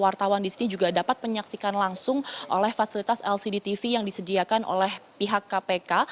wartawan di sini juga dapat menyaksikan langsung oleh fasilitas lcd tv yang disediakan oleh pihak kpk